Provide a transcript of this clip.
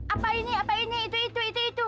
apa ini apa ini itu itu itu itu